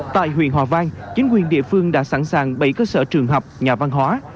tại huyện hòa vang chính quyền địa phương đã sẵn sàng bảy cơ sở trường học nhà văn hóa